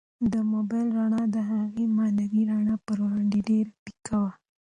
د موبایل رڼا د هغې معنوي رڼا په وړاندې ډېره پیکه وه.